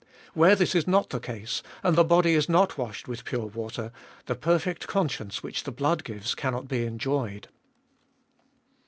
Where this is not the case, and the body is not washed with pure water, the perfect conscience which the blood gives cannot be enjoyed.